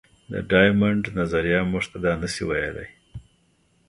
د ډایمونډ نظریه موږ ته دا نه شي ویلی.